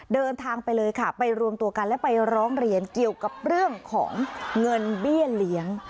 เดินทางไปเลยค่ะไปรวมตัวกันและไปร้องเรียนเกี่ยวกับเรื่องของเงินเบี้ยเลี้ยง